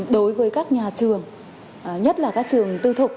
đối với các nhà trường nhất là các trường tư thục